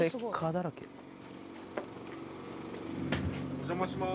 お邪魔しまーす。